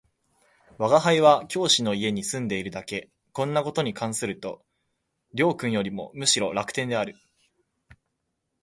吾輩は教師の家に住んでいるだけ、こんな事に関すると両君よりもむしろ楽天である